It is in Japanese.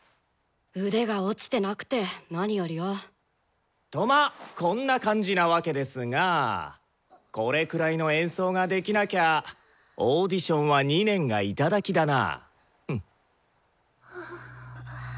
腕が落ちてなくて何よりよ。とまあこんな感じなわけですがこれくらいの演奏ができなきゃオーディションは２年がいただきだな！